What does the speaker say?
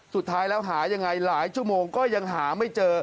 สุดท้ายแล้วหายังไงหลายชั่วโมงก็ยังหาไม่เจอ